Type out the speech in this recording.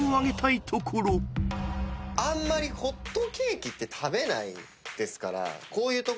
あんまりホットケーキって食べないですから。